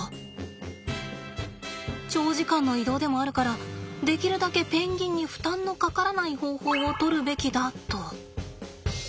長時間の移動でもあるからできるだけペンギンに負担のかからない方法を取るべきだと。